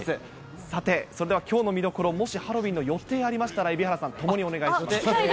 さて、それではきょうの見どころ、もしハロウィーンの予定ありましたら蛯原さん、共にお願いします。